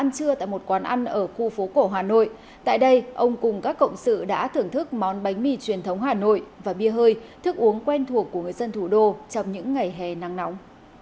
các cộng sự đã thưởng thức món bánh mì truyền thống hà nội và bia hơi thức uống quen thuộc của người dân thủ đô trong những ngày hè nắng nóng